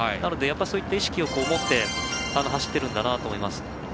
そういった意識を持って走ってるんだと思います。